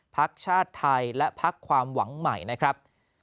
พักชาติไทยและพักความหวังใหม่นะครับ